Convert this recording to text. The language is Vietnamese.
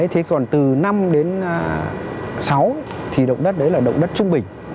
thế còn từ năm đến sáu thì động đất đấy là động đất trung bình